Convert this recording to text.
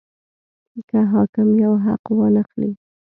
که حاکم یو حق وانه خلي.